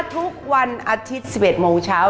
ทุกวันอาทิตย์๑๑โมงเช้า